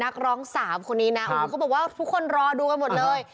ค่ะนักร้องสาวคนนี้นะค่ะพูดว่าทุกคนรอดูกันหมดเลย